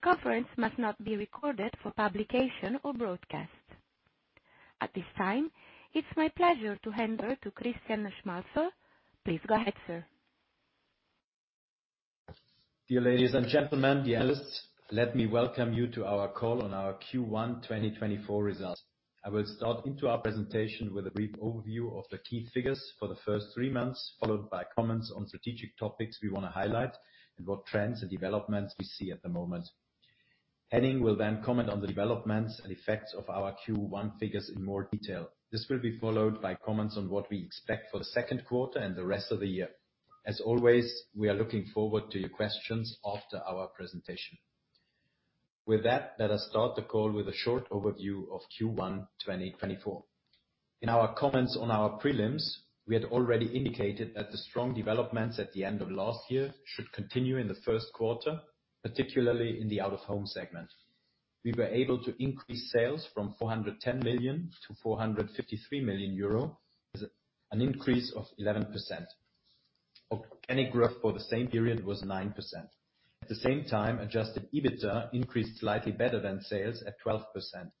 Conference must not be recorded for publication or broadcast. At this time, it's my pleasure to hand over to Christian Schmalzl. Please go ahead, sir. Dear ladies and gentlemen, dear analysts, let me welcome you to our call on our Q1 2024 results. I will start into our presentation with a brief overview of the key figures for the first three months, followed by comments on strategic topics we wanna highlight and what trends and developments we see at the moment. Henning will then comment on the developments and effects of our Q1 figures in more detail. This will be followed by comments on what we expect for the second quarter and the rest of the year. As always, we are looking forward to your questions after our presentation. With that, let us start the call with a short overview of Q1 2024. In our comments on our prelims, we had already indicated that the strong developments at the end of last year should continue in the first quarter, particularly in the out-of-home segment. We were able to increase sales from 410 million to 453 million euro. Is an increase of 11%. Organic growth for the same period was 9%. At the same time, Adjusted EBITDA increased slightly better than sales at 12%.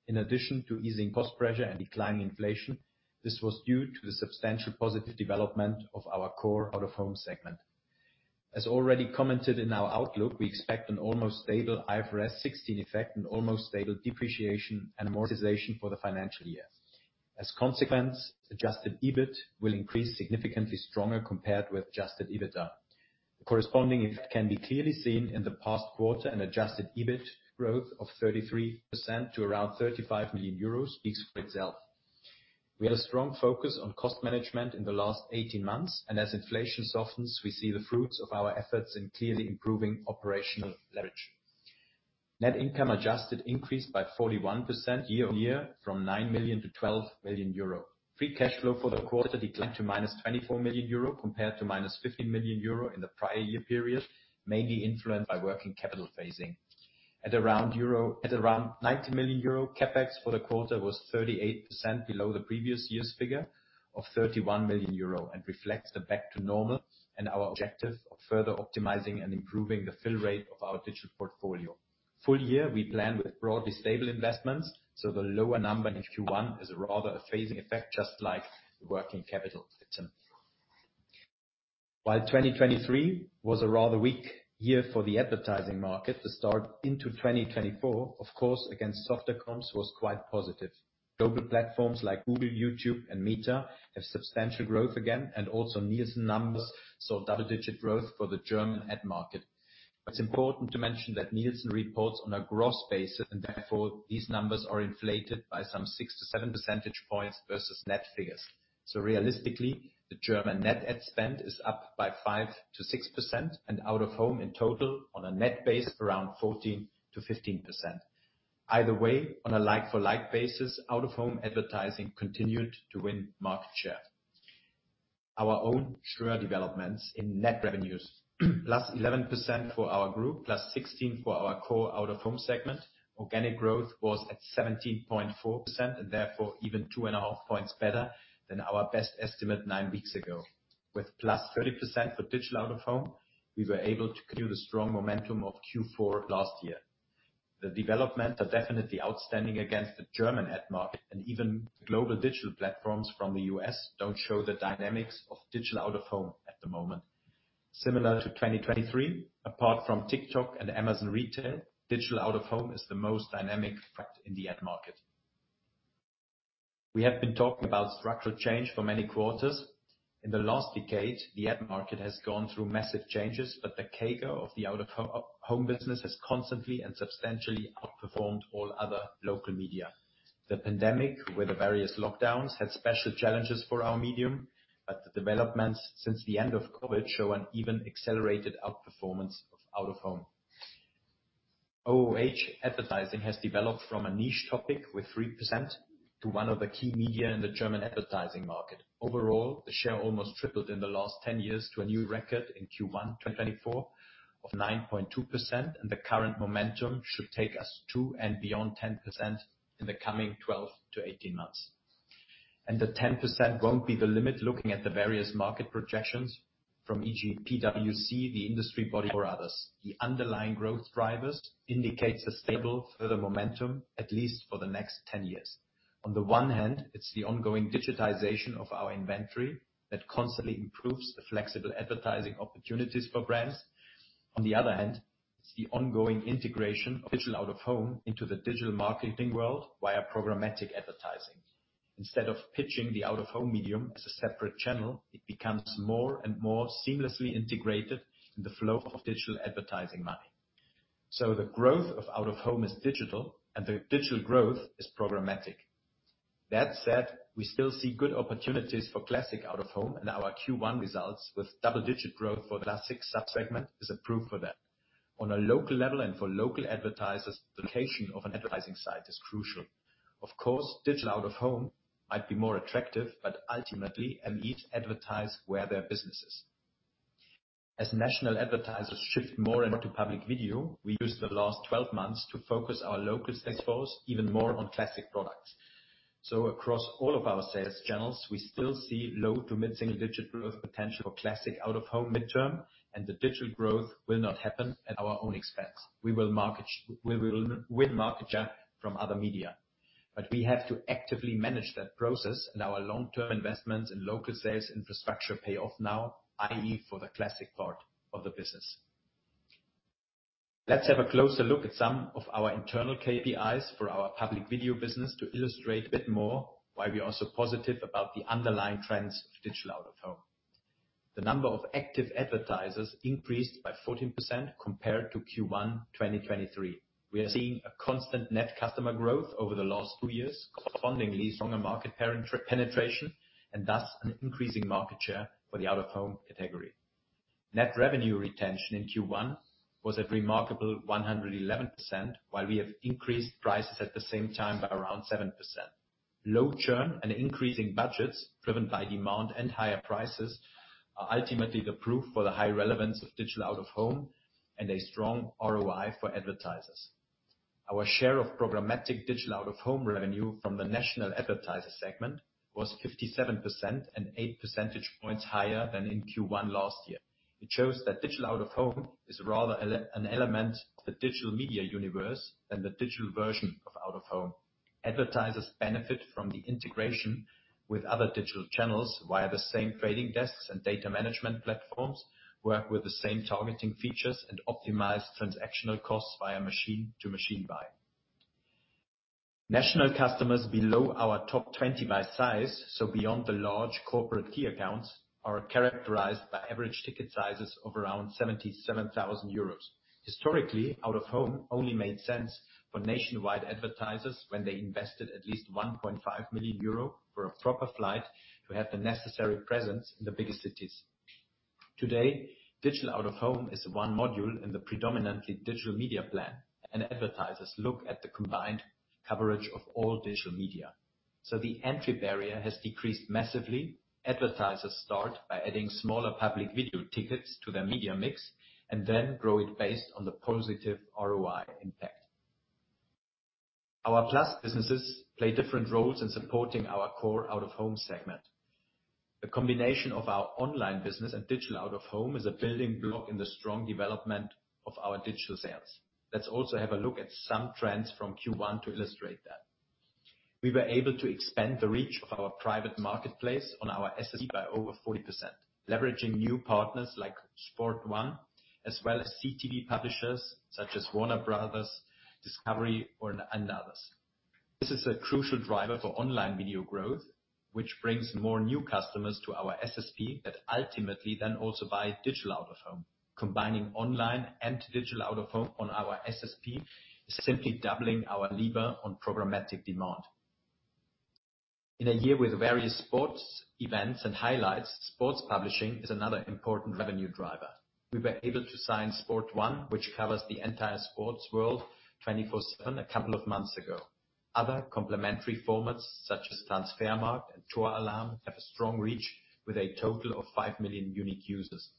In addition to easing cost pressure and declining inflation, this was due to the substantial positive development of our core out-of-home segment. As already commented in our outlook, we expect an almost stable IFRS 16 effect and almost stable depreciation and amortization for the financial year. As a consequence, adjusted EBIT will increase significantly stronger compared with Adjusted EBITDA. The corresponding effect can be clearly seen in the past quarter. An adjusted EBIT growth of 33% to around 35 million euros speaks for itself. We had a strong focus on cost management in the last 18 months, and as inflation softens, we see the fruits of our efforts in clearly improving operational leverage. Net income adjusted increased by 41% year-over-year from 9 million to 12 million euro. Free cash flow for the quarter declined to -24 million euro, compared to -15 million euro in the prior year period, mainly influenced by working capital phasing. At around 90 million euro, CapEx for the quarter was 38% below the previous year's figure of 31 million euro and reflects the back to normal and our objective of further optimizing and improving the fill rate of our digital portfolio. Full year, we plan with broadly stable investments, so the lower number in Q1 is rather a phasing effect, just like the working capital item. While 2023 was a rather weak year for the advertising market, the start into 2024, of course, against softer comps, was quite positive. Global platforms like Google, YouTube, and Meta have substantial growth again, and also Nielsen numbers saw double-digit growth for the German ad market. It's important to mention that Nielsen reports on a gross basis, and therefore, these numbers are inflated by some 6-7 percentage points versus net figures. So realistically, the German net ad spend is up by 5%-6%, and out-of-home in total on a net basis, around 14%-15%. Either way, on a like-for-like basis, out-of-home advertising continued to win market share. Our own Ströer developments in net revenues, +11% for our group, +16% for our core out-of-home segment. Organic growth was at 17.4%, and therefore, even 2.5 points better than our best estimate 9 weeks ago. With +30% for digital out-of-home, we were able to continue the strong momentum of Q4 last year. The development are definitely outstanding against the German ad market, and even global digital platforms from the U.S. don't show the dynamics of digital out-of-home at the moment. Similar to 2023, apart from TikTok and Amazon Retail, digital out-of-home is the most dynamic fact in the ad market. We have been talking about structural change for many quarters. In the last decade, the ad market has gone through massive changes, but the CAGR of the out-of-home, home business has constantly and substantially outperformed all other local media. The pandemic, with the various lockdowns, had special challenges for our medium, but the developments since the end of COVID show an even accelerated outperformance of out-of-home. OOH advertising has developed from a niche topic with 3% to one of the key media in the German advertising market. Overall, the share almost tripled in the last 10 years to a new record in Q1 2024 of 9.2%, and the current momentum should take us to and beyond 10% in the coming 12-18 months. The 10% won't be the limit, looking at the various market projections from PwC, the industry body or others. The underlying growth drivers indicates a stable further momentum, at least for the next 10 years. On the one hand, it's the ongoing digitization of our inventory that constantly improves the flexible advertising opportunities for brands. On the other hand, it's the ongoing integration of digital out-of-home into the digital marketing world via programmatic advertising. Instead of pitching the out-of-home medium as a separate channel, it becomes more and more seamlessly integrated in the flow of digital advertising money. So the growth of out-of-home is digital, and the digital growth is programmatic. That said, we still see good opportunities for classic out-of-home, and our Q1 results with double-digit growth for the classic sub-segment is a proof of that. On a local level and for local advertisers, the location of an advertising site is crucial. Of course, digital out-of-home might be more attractive, but ultimately, and each advertise where their business is. As national advertisers shift more into Public Video, we used the last 12 months to focus our local expos even more on classic products. So across all of our sales channels, we still see low- to mid-single-digit growth potential for classic out-of-home mid-term, and the digital growth will not happen at our own expense. We will win market share from other media, but we have to actively manage that process, and our long-term investments in local sales infrastructure pay off now, i.e., for the classic part of the business. Let's have a closer look at some of our internal KPIs for our public video business to illustrate a bit more why we are so positive about the underlying trends of digital out-of-home. The number of active advertisers increased by 14% compared to Q1 2023. We are seeing a constant net customer growth over the last two years, correspondingly stronger market penetration, and thus an increasing market share for the out-of-home category. Net revenue retention in Q1 was at a remarkable 111%, while we have increased prices at the same time by around 7%. Low churn and increasing budgets, driven by demand and higher prices, are ultimately the proof for the high relevance of digital out-of-home and a strong ROI for advertisers. Our share of programmatic digital out-of-home revenue from the national advertiser segment was 57% and eight percentage points higher than in Q1 last year. It shows that digital out-of-home is rather an element of the digital media universe than the digital version of out-of-home. Advertisers benefit from the integration with other digital channels via the same trading desks and data management platforms, work with the same targeting features, and optimize transactional costs via machine-to-machine buy. National customers below our top 20 by size, so beyond the large corporate key accounts, are characterized by average ticket sizes of around 77,000 euros. Historically, out-of-home only made sense for nationwide advertisers when they invested at least 1.5 million euro for a proper flight to have the necessary presence in the biggest cities. Today, digital out-of-home is one module in the predominantly digital media plan, and advertisers look at the combined coverage of all digital media. So the entry barrier has decreased massively. Advertisers start by adding smaller public video tickets to their media mix and then grow it based on the positive ROI impact. Our plus businesses play different roles in supporting our core out-of-home segment. The combination of our online business and digital out-of-home is a building block in the strong development of our digital sales. Let's also have a look at some trends from Q1 to illustrate that. We were able to expand the reach of our private marketplace on our SSP by over 40%, leveraging new partners like Sport1, as well as CTV publishers such as Warner Bros. Discovery, or and others. This is a crucial driver for online video growth, which brings more new customers to our SSP, that ultimately then also buy digital out-of-home. Combining online and digital out-of-home on our SSP is simply doubling our lever on programmatic demand. In a year with various sports events and highlights, sports publishing is another important revenue driver. We were able to sign Sport1, which covers the entire sports world 24/7, a couple of months ago. Other complementary formats, such as Transfermarkt and TorAlarm, have a strong reach with a total of 5 million unique users.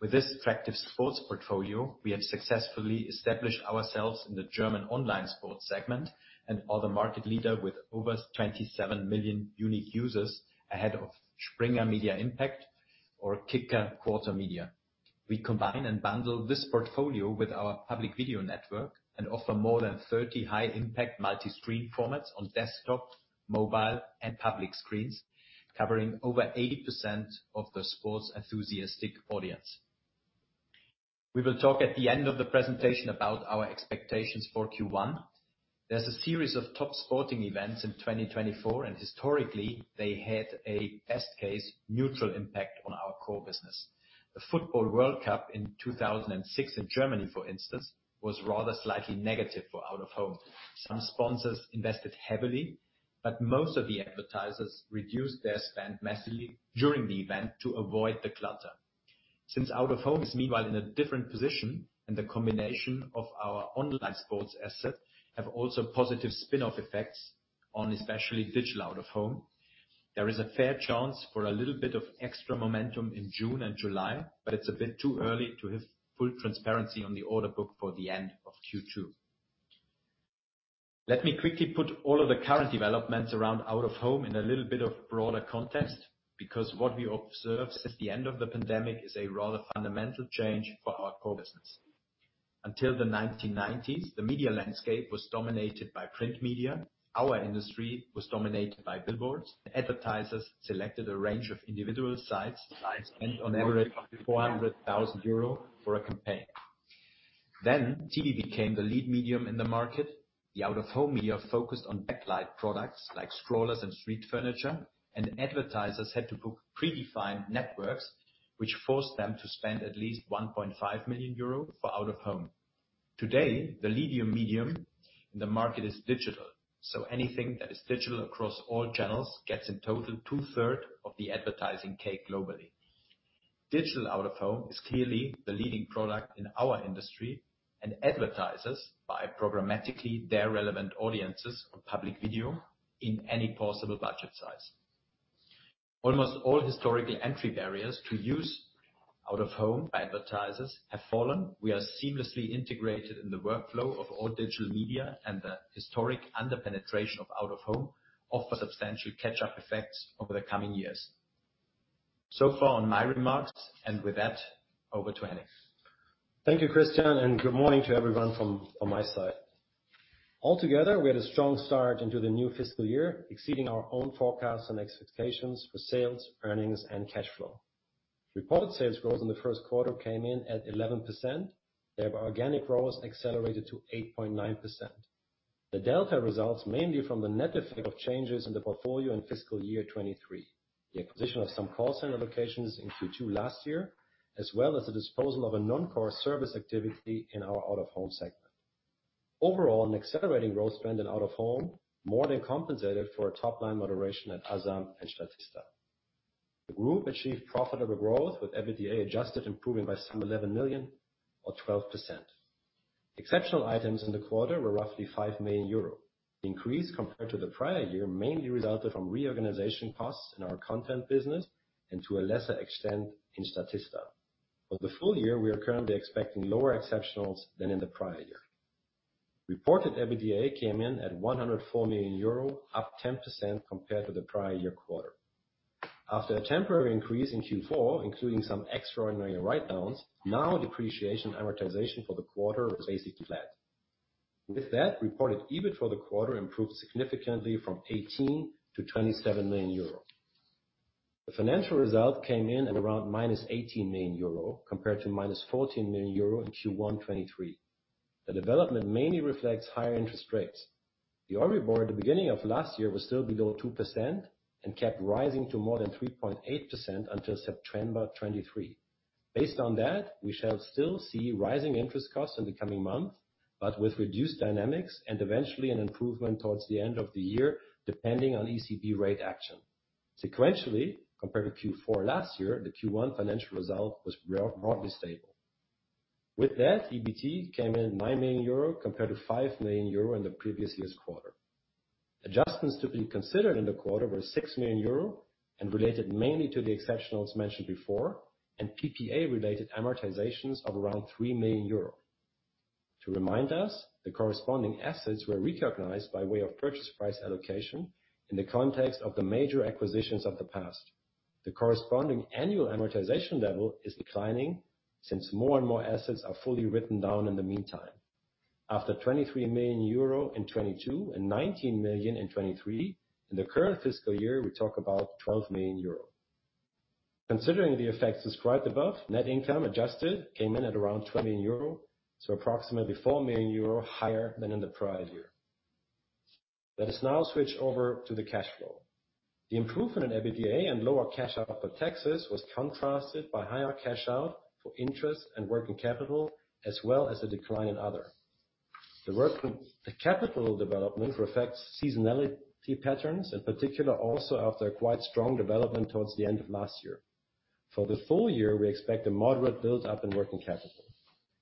With this attractive sports portfolio, we have successfully established ourselves in the German online sports segment and are the market leader with over 27 million unique users, ahead of Springer Media Impact or Kicker, Quarter Media. We combine and bundle this portfolio with our public video network and offer more than 30 high-impact multi-screen formats on desktop, mobile, and public screens, covering over 80% of the sports enthusiastic audience. We will talk at the end of the presentation about our expectations for Q1. There's a series of top sporting events in 2024, and historically, they had a best case neutral impact on our core business. The football World Cup in 2006 in Germany, for instance, was rather slightly negative for out-of-home. Some sponsors invested heavily, but most of the advertisers reduced their spend massively during the event to avoid the clutter. Since out-of-home is meanwhile in a different position, and the combination of our online sports asset have also positive spin-off effects on especially digital out-of-home, there is a fair chance for a little bit of extra momentum in June and July, but it's a bit too early to have full transparency on the order book for the end of Q2. Let me quickly put all of the current developments around out-of-home in a little bit of broader context, because what we observed since the end of the pandemic is a rather fundamental change for our core business. Until the 1990s, the media landscape was dominated by print media. Our industry was dominated by billboards, and advertisers selected a range of individual sites, and on average, 400,000 euro for a campaign. Then, TV became the lead medium in the market. The out-of-home media focused on backlight products like scrollers and street furniture, and advertisers had to book predefined networks, which forced them to spend at least 1.5 million euro for out-of-home. Today, the leading medium in the market is digital, so anything that is digital across all channels gets in total two-thirds of the advertising cake globally. Digital out-of-home is clearly the leading product in our industry, and advertisers buy programmatically their relevant audiences on public video in any possible budget size. Almost all historical entry barriers to use out-of-home by advertisers have fallen. We are seamlessly integrated in the workflow of all digital media, and the historic under-penetration of out-of-home offers substantial catch-up effects over the coming years. So far on my remarks, and with that, over to Henning. Thank you, Christian, and good morning to everyone from my side. Altogether, we had a strong start into the new fiscal year, exceeding our own forecasts and expectations for sales, earnings, and cash flow. Reported sales growth in the first quarter came in at 11%, where organic growth accelerated to 8.9%. The delta results mainly from the net effect of changes in the portfolio in fiscal year 2023. The acquisition of some call center locations in Q2 last year, as well as the disposal of a non-core service activity in our out-of-home segment. Overall, an accelerating growth spend in out-of-home more than compensated for a top-line moderation at Asam and Statista. The group achieved profitable growth, with EBITDA adjusted, improving by some 11 million or 12%. Exceptional items in the quarter were roughly 5 million euro. The increase compared to the prior year mainly resulted from reorganization costs in our content business and to a lesser extent, in Statista. For the full year, we are currently expecting lower exceptionals than in the prior year. Reported EBITDA came in at 104 million euro, up 10% compared to the prior year quarter. After a temporary increase in Q4, including some extraordinary write-downs, now depreciation amortization for the quarter was basically flat. With that, reported EBIT for the quarter improved significantly from 18 million to 27 million euro. The financial result came in at around -18 million euro, compared to -14 million euro in Q1 2023. The development mainly reflects higher interest rates. The EURIBOR at the beginning of last year was still below 2% and kept rising to more than 3.8% until September 2023. Based on that, we shall still see rising interest costs in the coming months, but with reduced dynamics and eventually an improvement toward the end of the year, depending on ECB rate action. Sequentially, compared to Q4 last year, the Q1 financial result was broadly stable. With that, EBT came in 9 million euro, compared to 5 million euro in the previous year's quarter. Adjustments to be considered in the quarter were 6 million euro and related mainly to the exceptionals mentioned before, and PPA-related amortizations of around 3 million euro. To remind us, the corresponding assets were recognized by way of purchase price allocation in the context of the major acquisitions of the past. The corresponding annual amortization level is declining, since more and more assets are fully written down in the meantime. After 23 million euro in 2022 and 19 million in 2023, in the current fiscal year, we talk about 12 million euro. Considering the effects described above, net income, adjusted, came in at around 20 million euro, so approximately 4 million euro higher than in the prior year. Let us now switch over to the cash flow. The improvement in EBITDA and lower cash out for taxes was contrasted by higher cash out for interest and working capital, as well as a decline in other. The capital development reflects seasonality patterns, in particular, also after a quite strong development towards the end of last year. For the full year, we expect a moderate build-up in working capital.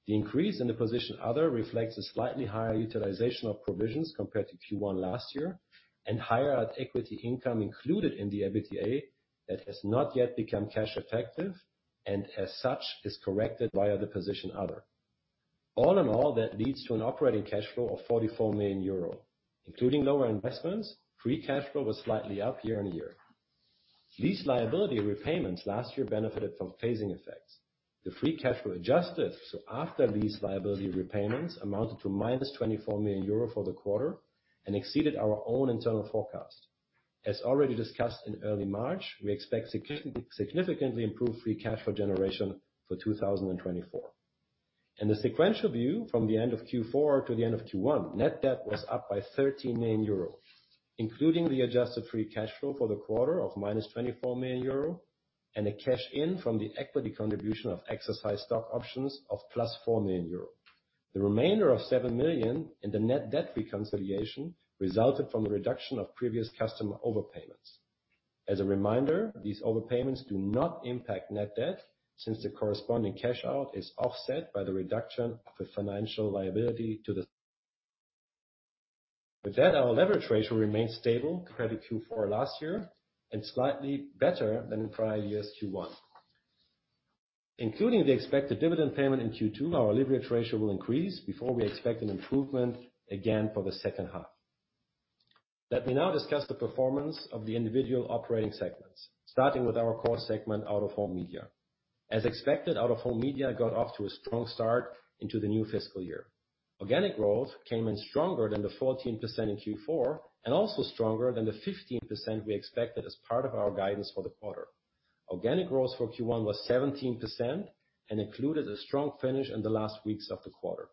The increase in the position other reflects a slightly higher utilization of provisions compared to Q1 last year, and higher equity income included in the EBITDA that has not yet become cash effective, and as such, is corrected via the position other. All in all, that leads to an operating cash flow of 44 million euro. Including lower investments, free cash flow was slightly up year-on-year. Lease liability repayments last year benefited from phasing effects. The free cash flow adjusted, so after lease liability repayments, amounted to minus 24 million euro for the quarter and exceeded our own internal forecast. As already discussed in early March, we expect significantly improved free cash flow generation for 2024. In the sequential view, from the end of Q4 to the end of Q1, net debt was up by 13 million euro, including the adjusted free cash flow for the quarter of -24 million euro and a cash-in from the equity contribution of exercised stock options of +4 million euro. The remainder of 7 million in the net debt reconciliation resulted from the reduction of previous customer overpayments. As a reminder, these overpayments do not impact net debt, since the corresponding cash out is offset by the reduction of the financial liability to the- With that, our leverage ratio remains stable compared to Q4 last year and slightly better than in prior years' Q1. Including the expected dividend payment in Q2, our leverage ratio will increase before we expect an improvement again for the second half. Let me now discuss the performance of the individual operating segments, starting with our core segment, out-of-home media. As expected, out-of-home media got off to a strong start into the new fiscal year. Organic growth came in stronger than the 14% in Q4 and also stronger than the 15% we expected as part of our guidance for the quarter. Organic growth for Q1 was 17% and included a strong finish in the last weeks of the quarter.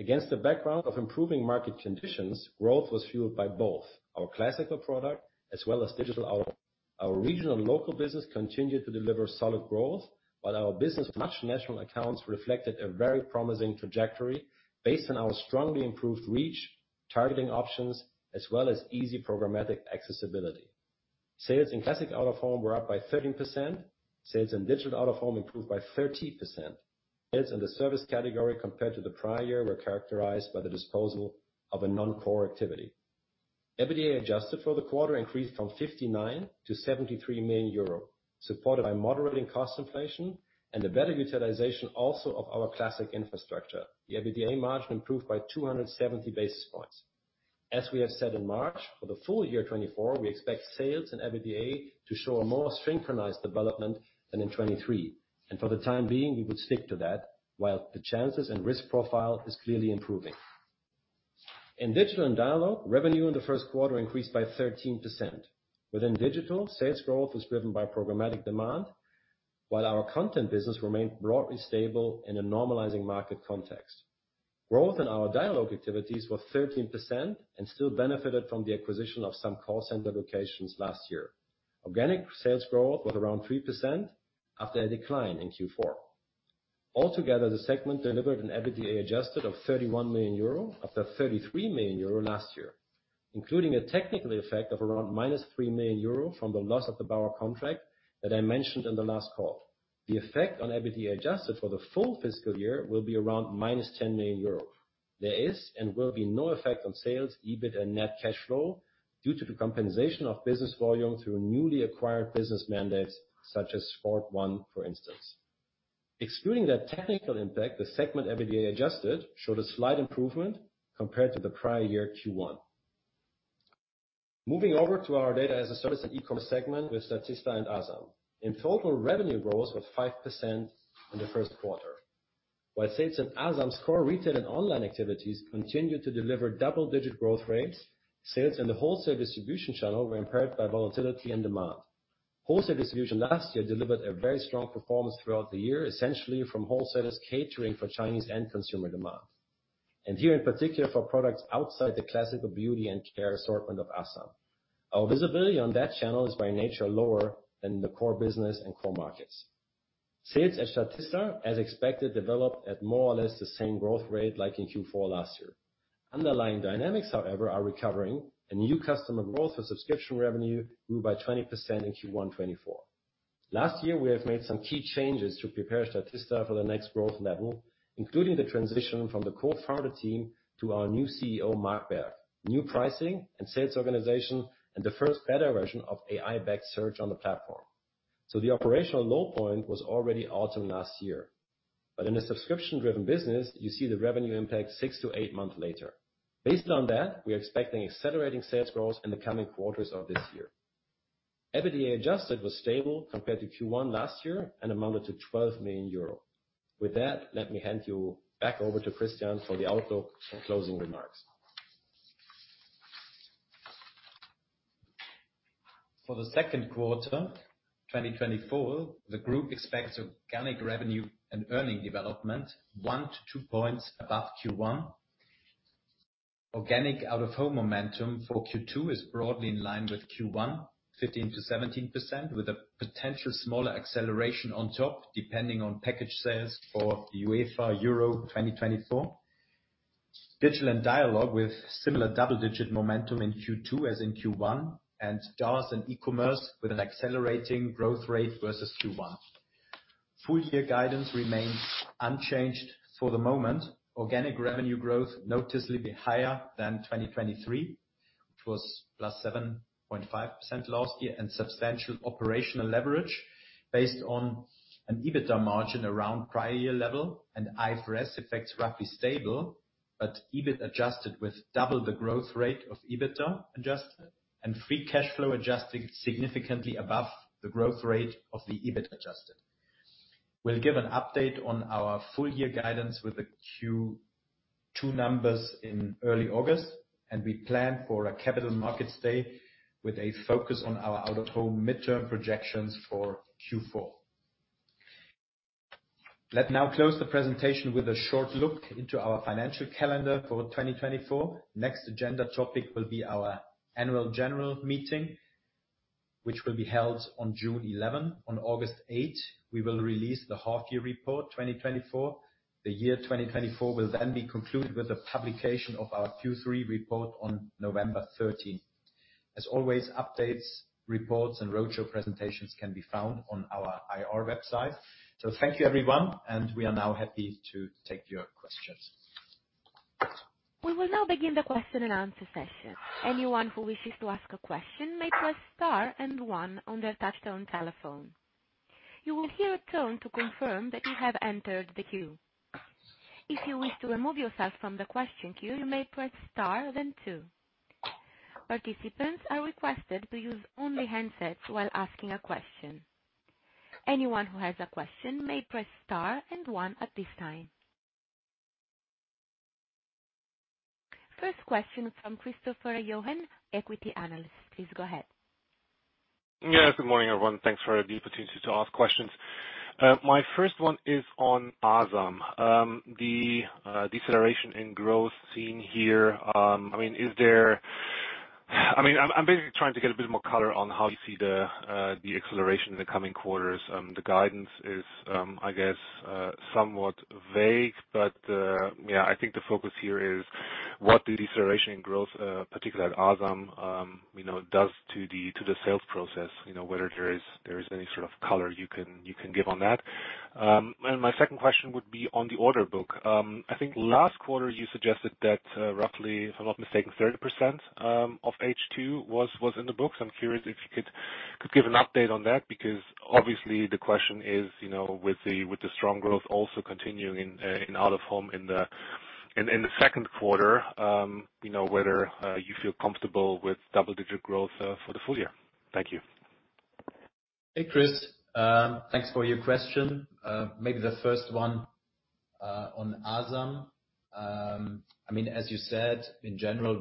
Against the background of improving market conditions, growth was fueled by both our classical product as well as digital out. Our regional and local business continued to deliver solid growth, while our business, much national accounts, reflected a very promising trajectory based on our strongly improved reach, targeting options, as well as easy programmatic accessibility. Sales in classic out-of-home were up by 13%. Sales in digital out-of-home improved by 13%.... It's in the service category compared to the prior year, were characterized by the disposal of a non-core activity. EBITDA, adjusted for the quarter, increased from 59 million to 73 million euro, supported by moderating cost inflation and the better utilization also of our classic infrastructure. The EBITDA margin improved by 270 basis points. As we have said in March, for the full year 2024, we expect sales and EBITDA to show a more synchronized development than in 2023, and for the time being, we would stick to that, while the chances and risk profile is clearly improving. In Digital and Dialogue, revenue in the first quarter increased by 13%. Within Digital, sales growth was driven by programmatic demand, while our content business remained broadly stable in a normalizing market context. Growth in our Dialogue activities was 13% and still benefited from the acquisition of some call center locations last year. Organic sales growth was around 3% after a decline in Q4. Altogether, the segment delivered an adjusted EBITDA of 31 million euro, after 33 million euro last year, including a technical effect of around -3 million euro from the loss of the Bauer contract that I mentioned in the last call. The effect on EBITDA, adjusted for the full fiscal year, will be around -10 million euros. There is and will be no effect on sales, EBIT, and net cash flow due to the compensation of business volume through newly acquired business mandates, such as Sport1, for instance. Excluding that technical impact, the segment adjusted EBITDA showed a slight improvement compared to the prior year Q1. Moving over to our Data as a Service and E-commerce segment with Statista and Asam. In total, revenue growth was 5% in the first quarter. While sales in Asam's core retail and online activities continued to deliver double-digit growth rates, sales in the wholesale distribution channel were impaired by volatility and demand. Wholesale distribution last year delivered a very strong performance throughout the year, essentially from wholesalers catering for Chinese end consumer demand, and here, in particular, for products outside the classical beauty and care assortment of Asam. Our visibility on that channel is by nature, lower than the core business and core markets. Sales at Statista, as expected, developed at more or less the same growth rate like in Q4 last year. Underlying dynamics, however, are recovering, and new customer growth for subscription revenue grew by 20% in Q1 2024. Last year, we have made some key changes to prepare Statista for the next growth level, including the transition from the co-founder team to our new CEO, Marc Berg, new pricing and sales organization, and the first beta version of AI-backed search on the platform. The operational low point was already autumn last year, but in a subscription-driven business, you see the revenue impact 6-8 months later. Based on that, we are expecting accelerating sales growth in the coming quarters of this year. EBITDA adjusted was stable compared to Q1 last year and amounted to 12 million euro. With that, let me hand you back over to Christian for the outlook and closing remarks. For the second quarter, 2024, the group expects organic revenue and earnings development 1-2 points above Q1. Organic out-of-home momentum for Q2 is broadly in line with Q1, 15%-17%, with a potential smaller acceleration on top, depending on package sales for the UEFA Euro 2024. Digital & Dialogue, with similar double-digit momentum in Q2 as in Q1, and DaaS & E-Commerce with an accelerating growth rate versus Q1. Full year guidance remains unchanged for the moment. Organic revenue growth noticeably higher than 2023, which was +7.5% last year, and substantial operational leverage based on an EBITDA margin around prior year level and IFRS effects roughly stable, but EBIT adjusted with double the growth rate of EBITDA adjusted and free cash flow adjusting significantly above the growth rate of the EBIT adjusted. We'll give an update on our full year guidance with the Q2 numbers in early August, and we plan for a capital markets day with a focus on our out-of-home midterm projections for Q4. Let's now close the presentation with a short look into our financial calendar for 2024. Next agenda topic will be our annual general meeting, which will be held on June 11. On August 8, we will release the half year report, 2024. The year 2024 will then be concluded with the publication of our Q3 report on November 13. As always, updates, reports, and roadshow presentations can be found on our IR website. So thank you, everyone, and we are now happy to take your questions. We will now begin the question and answer session. Anyone who wishes to ask a question may press star and one on their touchtone telephone. You will hear a tone to confirm that you have entered the queue. If you wish to remove yourself from the question queue, you may press star, then two. Participants are requested to use only handsets while asking a question. Anyone who has a question may press star and one at this time. First question from Christopher Johnen, equity analyst. Please go ahead. Yeah, good morning, everyone. Thanks for the opportunity to ask questions. My first one is on AsamBeauty. The deceleration in growth seen here, I mean, is there—I mean, I'm basically trying to get a bit more color on how you see the acceleration in the coming quarters. The guidance is, I guess, somewhat vague, but, yeah, I think the focus here is what the deceleration in growth, particularly at Asaeauty, you know, does to the sales process, you know, whether there is any sort of color you can give on that? And my second question would be on the order book. I think last quarter you suggested that, roughly, if I'm not mistaken, 30% of H2 was in the books. I'm curious if you could give an update on that, because obviously, the question is, you know, with the strong growth also continuing in out-of-home in the second quarter, you know, whether you feel comfortable with double-digit growth for the full year. Thank you. Hey, Chris, thanks for your question. Maybe the first one on AsamBeauty. I mean, as you said, in general,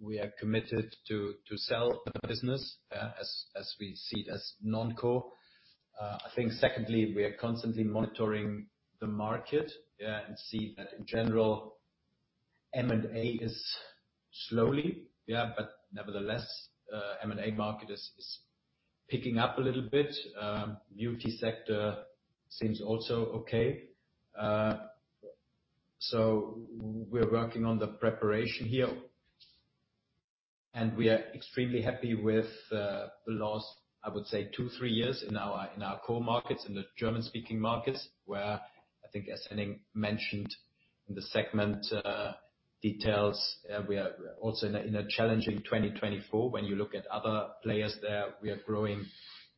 we are committed to sell the business, as we see it, as non-core. I think secondly, we are constantly monitoring the market, and see that in general, M&A is slowly, yeah, but nevertheless, M&A market is picking up a little bit. Beauty sector seems also okay. So we're working on the preparation here, and we are extremely happy with the last, I would say, two, three years in our core markets, in the German-speaking markets, where I think as Henning mentioned in the segment details, we are also in a challenging 2024. When you look at other players there, we are growing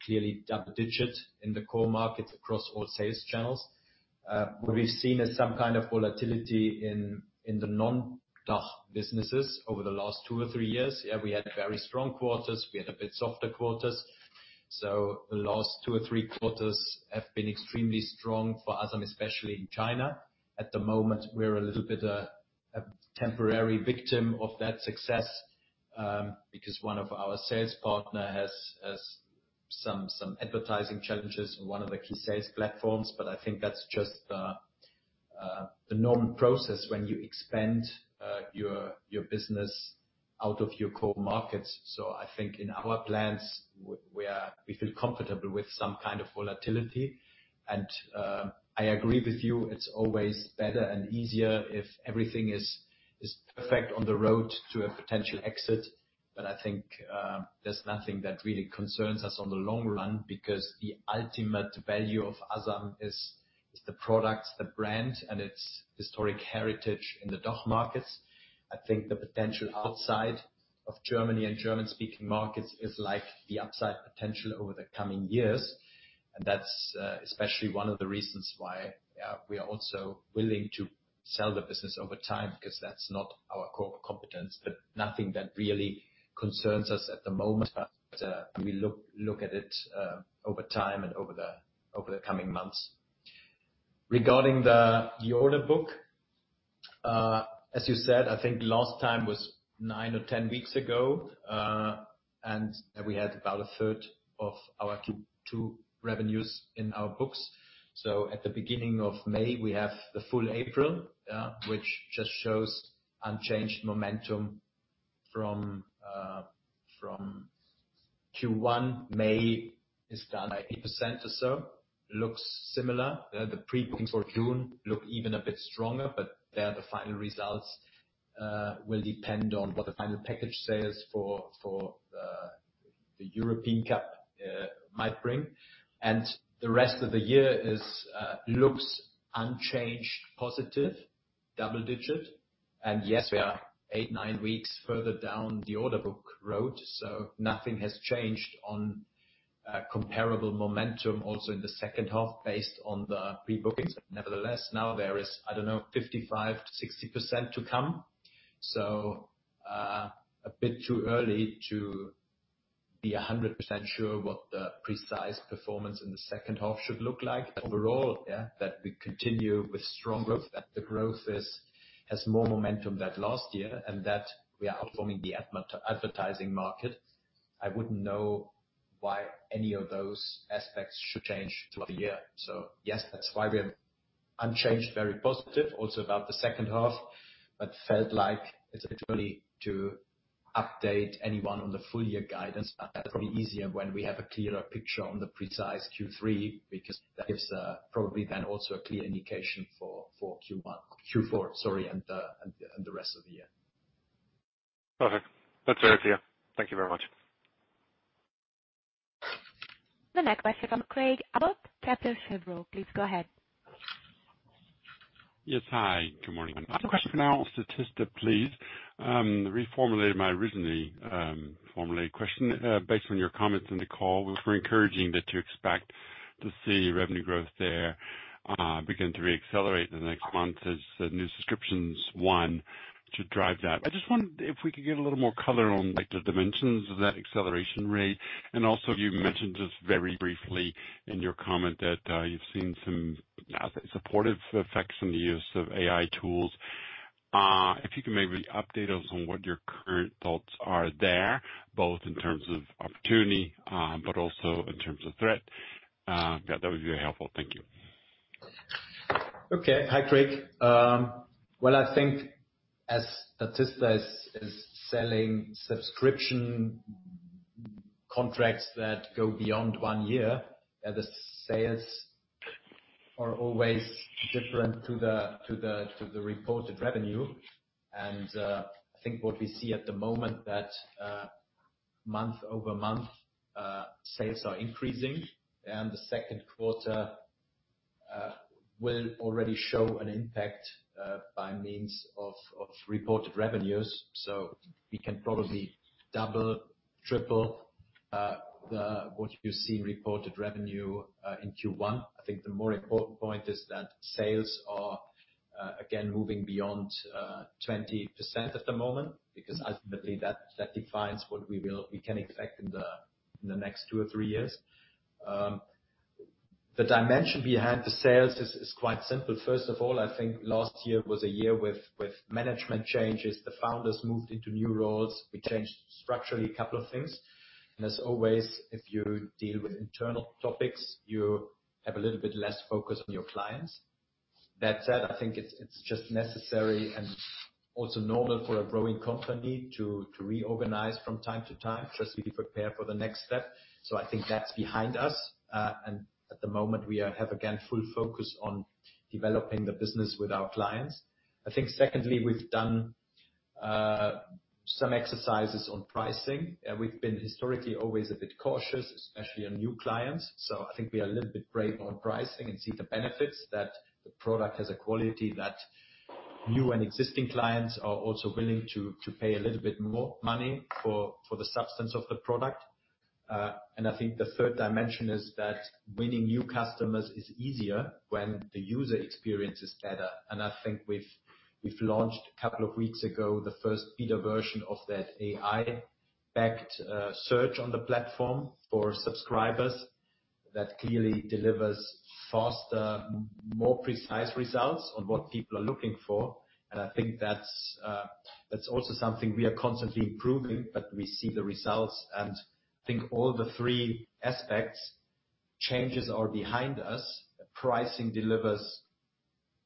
clearly double-digit in the core markets across all sales channels. What we've seen is some kind of volatility in the non-DACH businesses over the last two or three years. Yeah, we had very strong quarters. We had a bit softer quarters. So the last two or three quarters have been extremely strong for AsamBeauty, especially in China. At the moment, we're a little bit a temporary victim of that success, because one of our sales partner has some advertising challenges in one of the key sales platforms. But I think that's just the normal process when you expand your business out of your core markets. So I think in our plans, we feel comfortable with some kind of volatility. I agree with you, it's always better and easier if everything is perfect on the road to a potential exit. But I think, there's nothing that really concerns us on the long run, because the ultimate value of AsamBeauty is the products, the brand, and its historic heritage in the DACH markets. I think the potential outside of Germany and German-speaking markets is like the upside potential over the coming years, and that's especially one of the reasons why we are also willing to sell the business over time, because that's not our core competence. But nothing that really concerns us at the moment, we look at it over time and over the coming months. Regarding the order book, as you said, I think last time was 9 or 10 weeks ago, and we had about a third of our Q2 revenues in our books. So at the beginning of May, we have the full April, which just shows unchanged momentum from Q1. May is done by 8% or so. Looks similar. The pre-bookings for June look even a bit stronger, but the final results will depend on what the final package sales for the European Cup might bring. And the rest of the year looks unchanged, positive, double digit. And yes, we are 8, 9 weeks further down the order book road, so nothing has changed on comparable momentum also in the second half, based on the pre-bookings. Nevertheless, now there is, I don't know, 55%-60% to come. So, a bit too early to be 100% sure what the precise performance in the second half should look like. Overall, yeah, that we continue with strong growth, that the growth is, has more momentum than last year, and that we are outperforming the advertising market. I wouldn't know why any of those aspects should change through the year. So yes, that's why we are unchanged, very positive also about the second half, but felt like it's a bit early to update anyone on the full year guidance. That's probably easier when we have a clearer picture on the precise Q3, because that is, probably then also a clear indication for, for Q4, sorry, and, and, and the rest of the year. Perfect. That's very clear. Thank you very much. The next question from Craig Abbott, Kepler Cheuvreux. Please go ahead. Yes. Hi, good morning. A question now on Statista, please. Reformulated my originally formulated question based on your comments in the call. We're encouraging that you expect to see revenue growth there begin to reaccelerate in the next months as the new subscriptions should drive that. I just wondered if we could get a little more color on, like, the dimensions of that acceleration rate. And also, you mentioned just very briefly in your comment that you've seen some, I'd say, supportive effects from the use of AI tools. If you can maybe update us on what your current thoughts are there, both in terms of opportunity but also in terms of threat. Yeah, that would be very helpful. Thank you. Okay. Hi, Craig. Well, I think as Statista is selling subscription contracts that go beyond one year, the sales are always different to the reported revenue. And I think what we see at the moment that month-over-month sales are increasing, and the second quarter will already show an impact by means of reported revenues. So we can probably double, triple the what you see in reported revenue in Q1. I think the more important point is that sales are again moving beyond 20% at the moment, because ultimately, that defines what we can expect in the next two or three years. The dimension behind the sales is quite simple. First of all, I think last year was a year with management changes. The founders moved into new roles. We changed structurally a couple of things. And as always, if you deal with internal topics, you have a little bit less focus on your clients. That said, I think it's just necessary and also normal for a growing company to reorganize from time to time, just to be prepared for the next step. So I think that's behind us. And at the moment, we have, again, full focus on developing the business with our clients. I think secondly, we've done some exercises on pricing, and we've been historically always a bit cautious, especially on new clients. So I think we are a little bit brave on pricing and see the benefits that the product has a quality that new and existing clients are also willing to pay a little bit more money for the substance of the product. And I think the third dimension is that winning new customers is easier when the user experience is better. And I think we've launched a couple of weeks ago the first beta version of that AI-backed search on the platform for subscribers. That clearly delivers faster, more precise results on what people are looking for, and I think that's also something we are constantly improving, but we see the results. And I think all the three aspects changes are behind us. Pricing delivers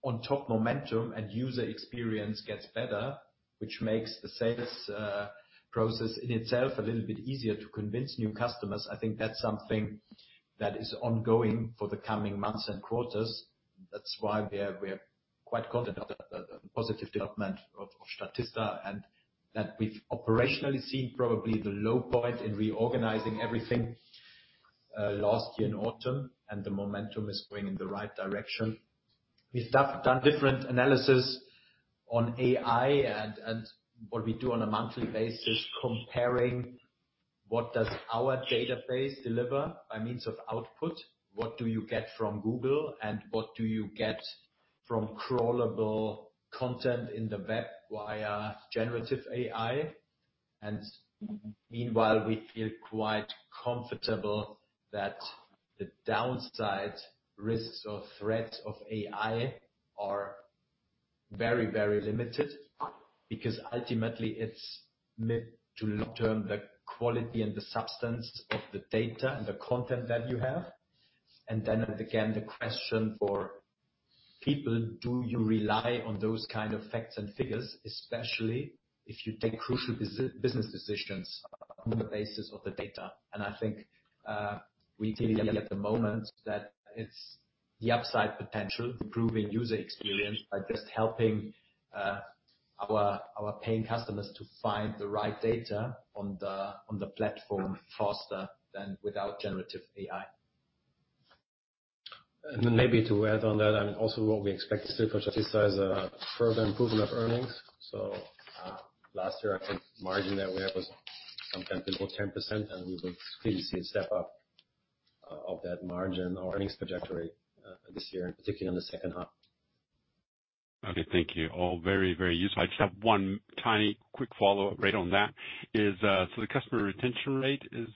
on top momentum, and user experience gets better, which makes the sales process in itself a little bit easier to convince new customers. I think that's something that is ongoing for the coming months and quarters. That's why we are quite confident of the positive development of Statista, and that we've operationally seen probably the low point in reorganizing everything last year in autumn, and the momentum is going in the right direction. We've done different analysis on AI and what we do on a monthly basis, comparing what does our database deliver by means of output? What do you get from Google, and what do you get from crawlable content in the web via generative AI? And meanwhile, we feel quite comfortable that the downside risks or threats of AI are very, very limited because ultimately, it's meant to long-term the quality and the substance of the data and the content that you have. And then, again, the question for people: Do you rely on those kind of facts and figures, especially if you take crucial business decisions on the basis of the data? And I think, we clearly at the moment that it's the upside potential, improving user experience by just helping, our, our paying customers to find the right data on the, on the platform faster than without generative AI. And then maybe to add on that, I mean, also what we expect to for Statista is a further improvement of earnings. So, last year, I think margin that we had was something below 10%, and we will clearly see a step up, of that margin or earnings trajectory, this year, and particularly in the second half. Okay. Thank you. All very, very useful. I just have one tiny quick follow-up right on that. So the customer retention rate, is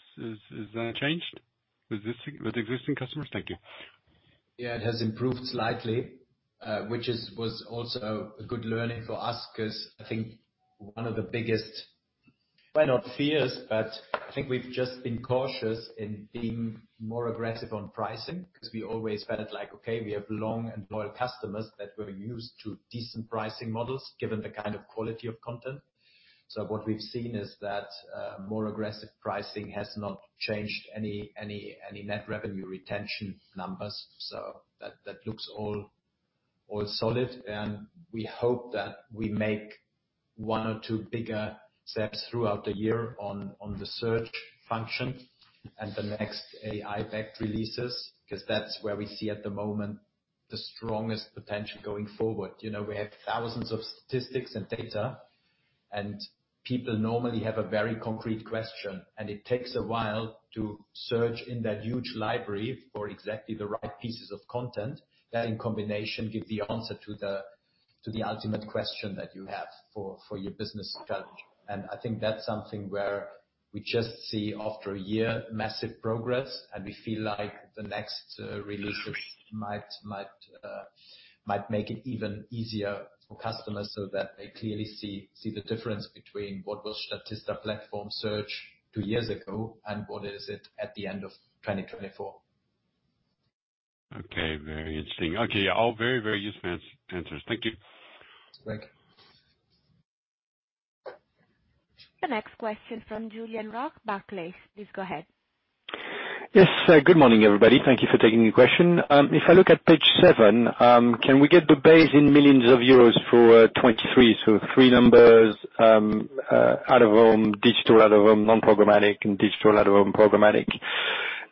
that changed with existing customers? Thank you. Yeah, it has improved slightly, which is, was also a good learning for us, 'cause I think one of the biggest, why not fears, but I think we've just been cautious in being more aggressive on pricing, 'cause we always felt like, okay, we have long and loyal customers that were used to decent pricing models, given the kind of quality of content. So what we've seen is that, more aggressive pricing has not changed any, any, any Net Revenue Retention numbers. So that, that looks all, all solid, and we hope that we make one or two bigger steps throughout the year on, on the search function and the next AI-backed releases, 'cause that's where we see at the moment the strongest potential going forward. You know, we have thousands of statistics and data, and people normally have a very concrete question, and it takes a while to search in that huge library for exactly the right pieces of content, that in combination, give the answer to the ultimate question that you have for your business challenge. And I think that's something where we just see after a year, massive progress, and we feel like the next releases might make it even easier for customers so that they clearly see the difference between what was Statista platform search two years ago and what is it at the end of 2024.... Okay, very interesting. Okay, all very, very useful answers. Thank you. Thank you. The next question from Julien Roch, Barclays. Please go ahead. Yes, good morning, everybody. Thank you for taking the question. If I look at page seven, can we get the base in millions of EUR for 2023? So three numbers: out-of-home, digital out-of-home, non-programmatic, and digital out-of-home programmatic.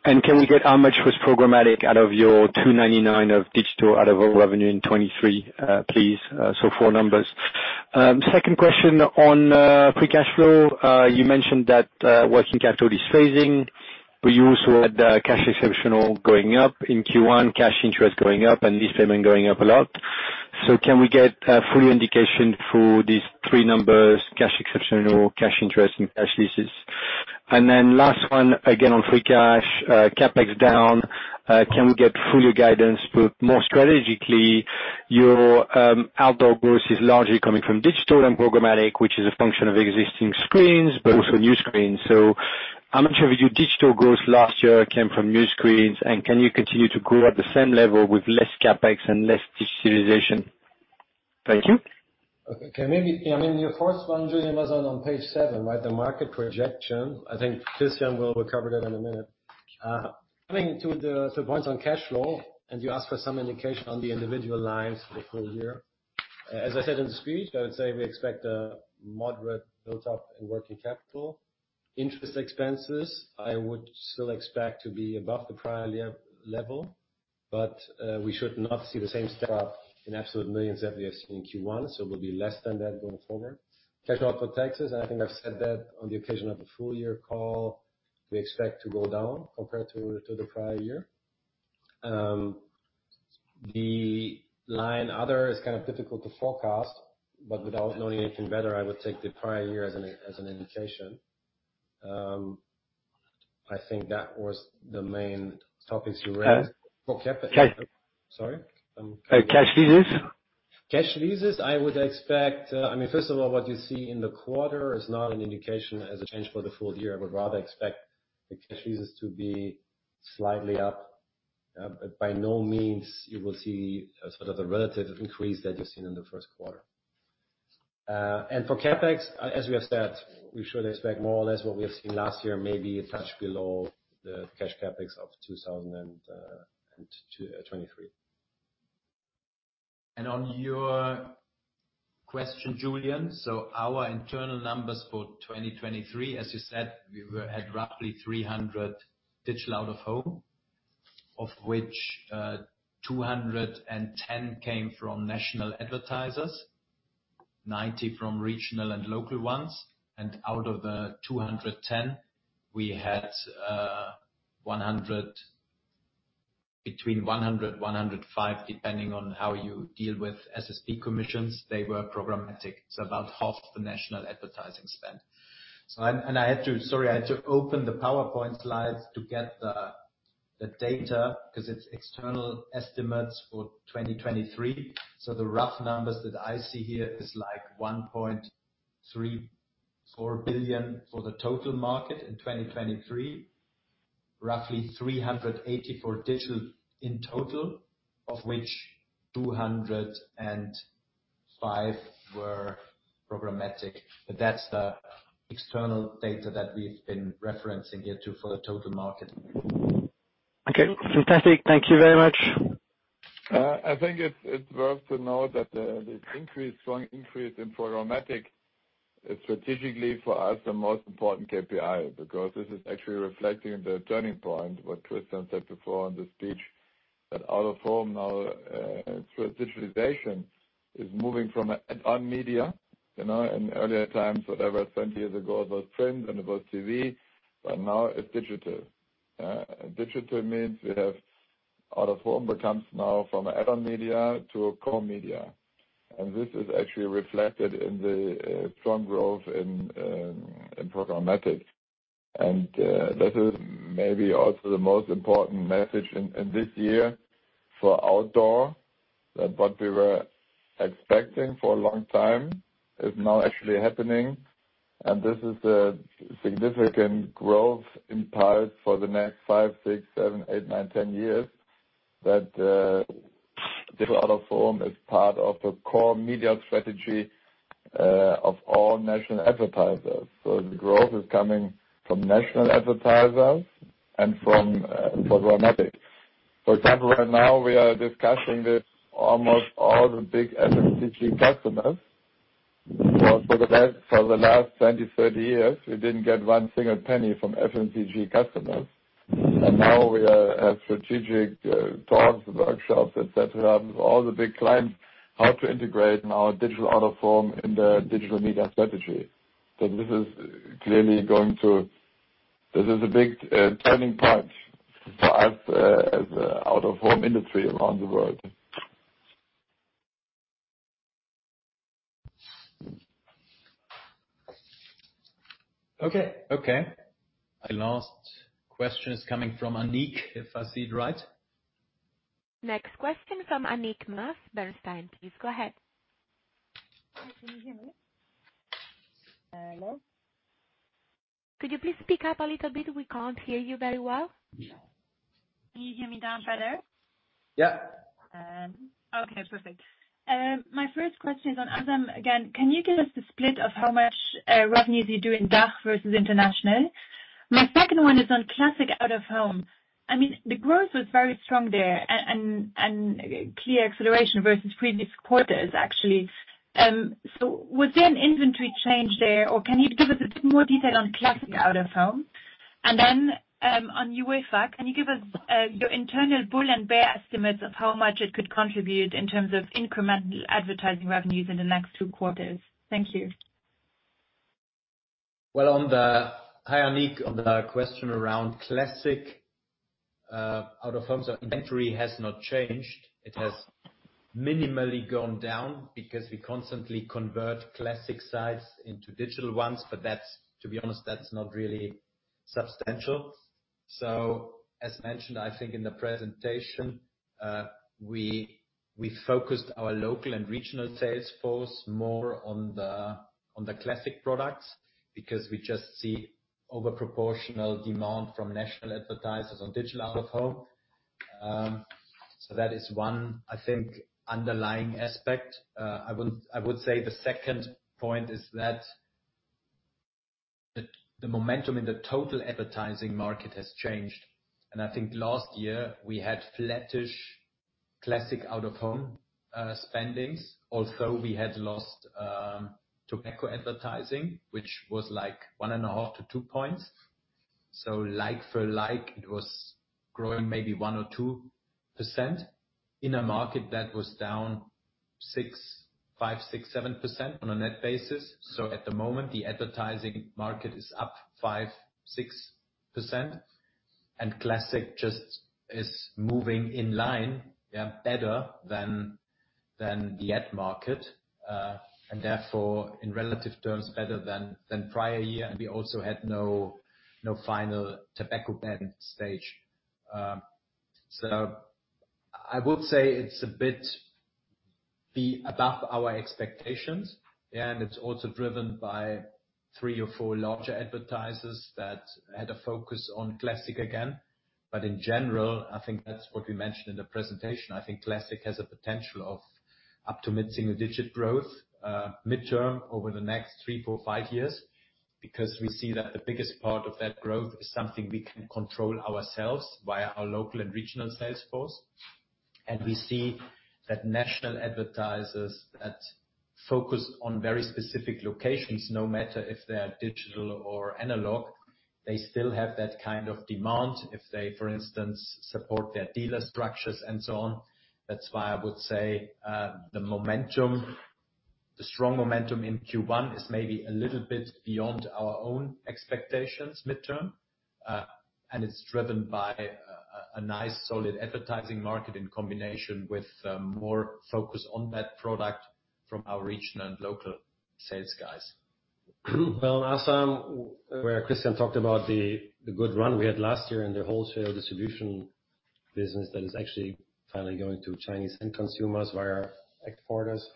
And can we get how much was programmatic out of your 299 million of digital out-of-home revenue in 2023, please? So four numbers. Second question on free cash flow. You mentioned that working capital is phasing, but you also had cash exceptional going up in Q1, cash interest going up, and lease payment going up a lot. So can we get a full indication for these three numbers: cash exceptional, cash interest, and cash leases? And then last one, again, on free cash, CapEx down, can we get full year guidance? More strategically, your outdoor growth is largely coming from digital and programmatic, which is a function of existing screens, but also new screens. How much of your digital growth last year came from new screens? And can you continue to grow at the same level with less CapEx and less digitalization? Thank you. Okay. Okay, maybe, I mean, your first one, Julian, was on page 7, right? The market projection. I think Christian will cover that in a minute. Coming to the points on cash flow, and you asked for some indication on the individual lines for full year. As I said in the speech, I would say we expect a moderate build-up in working capital. Interest expenses, I would still expect to be above the prior year level, but we should not see the same step-up in absolute millions that we have seen in Q1, so will be less than that going forward. Cash out for taxes, and I think I've said that on the occasion of the full year call, we expect to go down compared to the prior year. The line other is kind of difficult to forecast, but without knowing anything better, I would take the prior year as an indication. I think that was the main topics you raised. Okay. For CapEx. Okay. Sorry? Um- Cash leases. Cash leases, I would expect, I mean, first of all, what you see in the quarter is not an indication as a change for the full year. I would rather expect the cash leases to be slightly up. But by no means you will see a sort of the relative increase that you've seen in the first quarter. And for CapEx, as we have said, we should expect more or less what we have seen last year, maybe a touch below the cash CapEx of 2023. On your question, Julian, so our internal numbers for 2023, as you said, we were at roughly 300 million digital out-of-home, of which 210 came from national advertisers, 90 from regional and local ones, and out of the 210, we had between 100-105, depending on how you deal with SSP commissions, they were programmatic. So about half the national advertising spend. So I had to, sorry, I had to open the PowerPoint slides to get the data, 'cause it's external estimates for 2023. So the rough numbers that I see here is, like, 1.34 billion for the total market in 2023, roughly 380 million for digital in total, of which 205 were programmatic. But that's the external data that we've been referencing here too, for the total market. Okay. Fantastic. Thank you very much. I think it's worth to note that the increase, strong increase in programmatic is strategically for us the most important KPI, because this is actually reflecting the turning point, what Christian said before on the speech, that out-of-home now through digitalization is moving from an owned media, you know, in earlier times, whatever, 20 years ago, it was print, and it was TV, but now it's digital. Digital means we have out-of-home, which comes now from add-on media to a core media. And this is actually reflected in the strong growth in programmatic. And this is maybe also the most important message in this year for outdoor, that what we were expecting for a long time is now actually happening. This is a significant growth in parts for the next five, six, seven, eight, nine, ten years, that digital out-of-home is part of the core media strategy of all national advertisers. So the growth is coming from national advertisers and from programmatic. For example, right now we are discussing this, almost all the big FMCG customers, for the last 20, 30 years, we didn't get one single penny from FMCG customers. And now we are at strategic talks, workshops, et cetera, with all the big clients, how to integrate now digital out-of-home in their digital media strategy. So this is clearly going to... This is a big turning point for us as a out-of-home industry around the world. Okay. Okay. Our last question is coming from Annick, if I see it right. Next question from Annick Maas, Bernstein. Please go ahead. Hi, can you hear me?... hello? Could you please speak up a little bit? We can't hear you very well. Can you hear me now better? Yeah. Okay, perfect. My first question is on asam again. Can you give us the split of how much revenues you do in DACH versus international? My second one is on classic out-of-home. I mean, the growth was very strong there, and clear acceleration versus previous quarters, actually. So was there an inventory change there, or can you give us a bit more detail on classic out-of-home? And then, on UEFA, can you give us your internal bull and bear estimates of how much it could contribute in terms of incremental advertising revenues in the next two quarters? Thank you. Well, hi, Annick. On the question around classic out-of-home, inventory has not changed. It has minimally gone down because we constantly convert classic sites into digital ones, but that's, to be honest, not really substantial. So, as mentioned, I think, in the presentation, we focused our local and regional sales force more on the classic products, because we just see over-proportional demand from national advertisers on digital out-of-home. So that is one, I think, underlying aspect. I would say the second point is that the momentum in the total advertising market has changed, and I think last year we had flattish classic out-of-home spendings. Also, we had lost tobacco advertising, which was, like, 1.5-2 points. So like for like, it was growing maybe 1 or 2% in a market that was down 5%-7% on a net basis. So at the moment, the advertising market is up 5-6%, and classic just is moving in line, yeah, better than, than the ad market. And therefore, in relative terms, better than, than prior year, and we also had no, no final tobacco ban stage. So I would say it's a bit above our expectations, and it's also driven by 3 or 4 larger advertisers that had a focus on classic again. But in general, I think that's what we mentioned in the presentation. I think classic has a potential of up to mid-single-digit growth, midterm, over the next 3, 4, 5 years, because we see that the biggest part of that growth is something we can control ourselves via our local and regional sales force. And we see that national advertisers that focus on very specific locations, no matter if they are digital or analog, they still have that kind of demand if they, for instance, support their dealer structures and so on. That's why I would say, the momentum, the strong momentum in Q1 is maybe a little bit beyond our own expectations midterm, and it's driven by a, a nice, solid advertising market in combination with, more focus on that product from our regional and local sales guys. Well, Asam, where Christian talked about the good run we had last year in the wholesale distribution business, that is actually finally going to Chinese end consumers via export orders.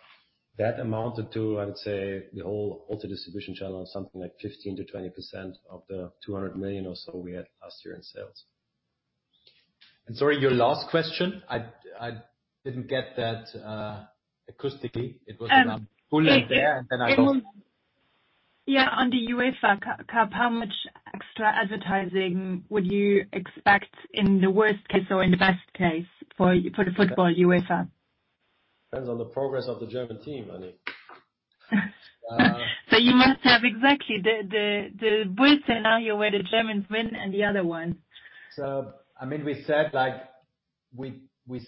That amounted to, I would say, the whole wholesale distribution channel on something like 15%-20% of the 200 million or so we had last year in sales. And sorry, your last question? I, I didn't get that, acoustically. It was about bull and bear, and then I lost- Yeah, on the UEFA Cup, how much extra advertising would you expect in the worst case or in the best case for the football UEFA? Depends on the progress of the German team, Annick. So you must have exactly the bull scenario where the Germans win, and the other one. So, I mean, we said that we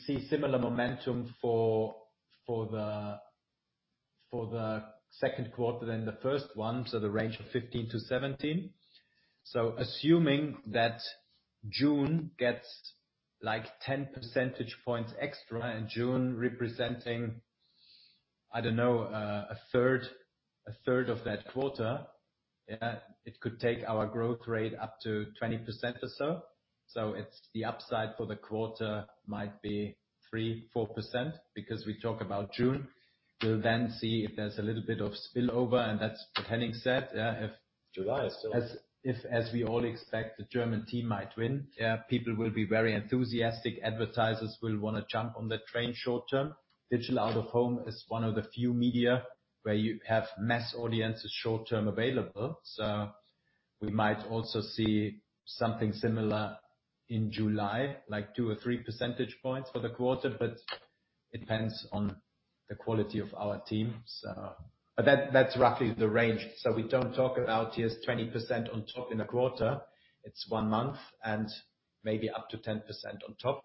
see similar momentum for the second quarter than the first one, so the range of 15-17. So assuming that June gets, like, 10 percentage points extra, and June representing, I don't know, a third of that quarter, it could take our growth rate up to 20% or so. So it's the upside for the quarter might be 3%-4%, because we talk about June. We'll then see if there's a little bit of spillover, and that's what Henning said, if- July is still-... as if, as we all expect, the German team might win, people will be very enthusiastic. Advertisers will wanna jump on the train short term. Digital out-of-home is one of the few media where you have mass audiences short term available. So we might also see something similar in July, like two or three percentage points for the quarter, but it depends on the quality of our team. So, but that, that's roughly the range. So we don't talk about just 20% on top in a quarter. It's one month, and maybe up to 10% on top.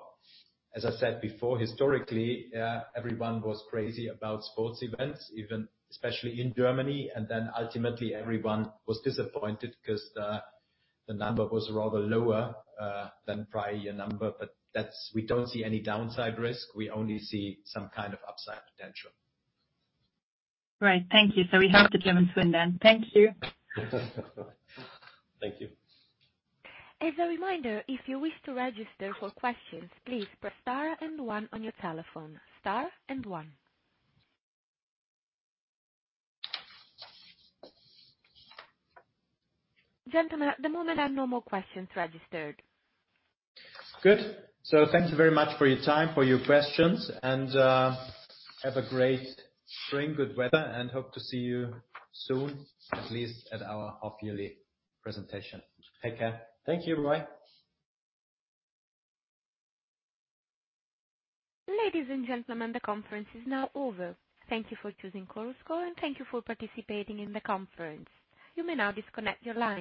As I said before, historically, everyone was crazy about sports events, even especially in Germany, and then ultimately everyone was disappointed because the number was rather lower than prior year number. But that's. We don't see any downside risk. We only see some kind of upside potential. Right. Thank you. So we hope the Germans win then. Thank you. Thank you. As a reminder, if you wish to register for questions, please press star and one on your telephone. Star and one. Gentlemen, at the moment, I have no more questions registered. Good. So thank you very much for your time, for your questions, and, have a great spring, good weather, and hope to see you soon, at least at our half-yearly presentation. Take care. Thank you, bye. Ladies and gentlemen, the conference is now over. Thank you for choosing Chorus Call, and thank you for participating in the conference. You may now disconnect your line.